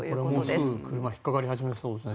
もうすぐ車引っかかり始めそうですね。